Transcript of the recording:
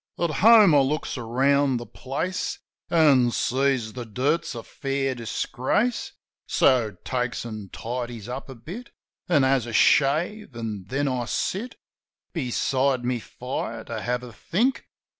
At home I looks around the place. An' sees the dirt's a fair disgrace; So takes an' tidies up a bit, An' has a shave; an' then I sit Beside my fire to have a think.